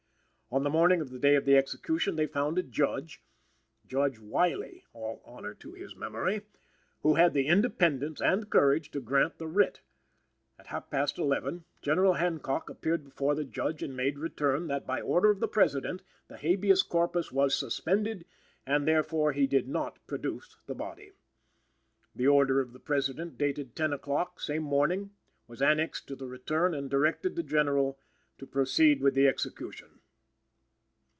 On the morning of the day of the execution, they found a judge (Judge Wylie; all honor to his memory!) who had the independence and courage to grant the writ. At half past eleven, General Hancock appeared before the Judge and made return that by order of the President the Habeas Corpus was suspended and therefore he did not produce the body. The order of the President dated ten o'clock, same morning, was annexed to the return and directed the General to proceed with the execution.